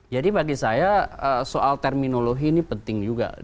jadi bagi saya soal terminologi ini penting juga